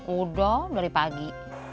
udah dari pagi